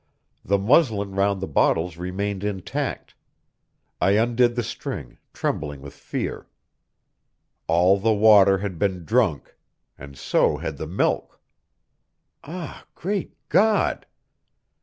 The muslin round the bottles remained intact; I undid the string, trembling with fear. All the water had been drunk, and so had the milk! Ah! Great God!